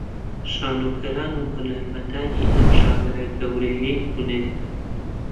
شانۆکاران و هونەرمەندانی ئەم ژانرە گەورەیەی هونەر